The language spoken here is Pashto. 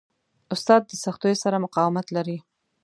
استاد د سختیو سره مقاومت لري.